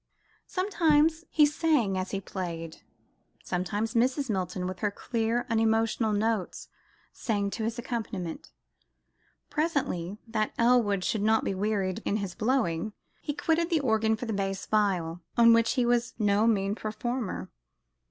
Sometimes he sang as he played; sometimes Mrs. Milton, with her clear unemotional notes, sang to his accompaniment. Presently, that Elwood should not be wearied in his blowing, he quitted the organ for the bass viol, on which he was no mean performer.